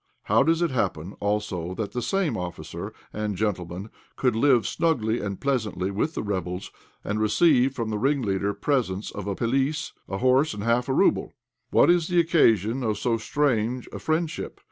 How does it happen, also, that the same officer and gentleman could live snugly and pleasantly with the rebels, and receive from the ringleader presents of a 'pelisse,' a horse, and a half rouble? What is the occasion of so strange a friendship?